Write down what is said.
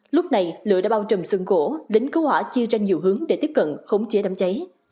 lúc này lửa đã bao trầm sưởng gỗ đến cứu hỏa chia ra nhiều hướng để tiếp cận khống chế đám cháy